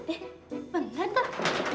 eh pengen tak